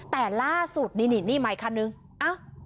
แต่ล่าสุดนี่นี่ไหมอีกครั้งนึงเอา